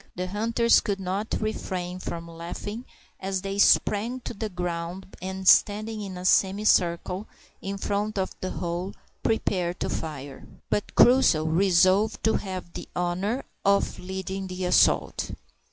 The hunters could not refrain from laughing as they sprang to the ground, and standing in a semicircle in front of the hole, prepared to fire. But Crusoe resolved to have the honour of leading the assault.